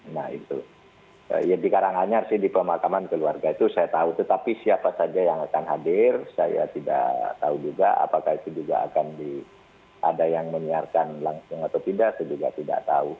nah itu ya di karanganyar sih di pemakaman keluarga itu saya tahu tetapi siapa saja yang akan hadir saya tidak tahu juga apakah itu juga akan ada yang menyiarkan langsung atau tidak saya juga tidak tahu